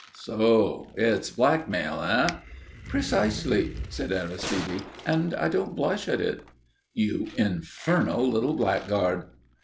"So it's blackmail, eh?" "Precisely," said Aristide, "and I don't blush at it." "You infernal little blackguard!"